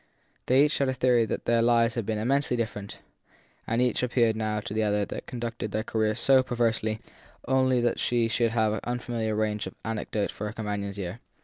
They had a theory that their lives had been immensely different, and each appeared now to the other to have conducted her career so perversely only that she should have an unfamiliar range of anecdote for her companion s ear.